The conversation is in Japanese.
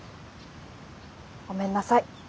ごめんなさい。